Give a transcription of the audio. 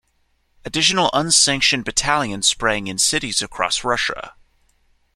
Additional unsanctioned battalions sprang in cities across Russia.